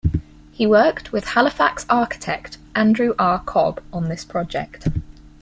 He worked with Halifax architect Andrew R. Cobb on this project.